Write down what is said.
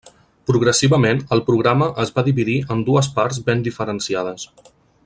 Progressivament, el programa es va dividir en dues parts ben diferenciades.